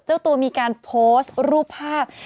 เจ้าตัวมีการโพสต์รูปภาพ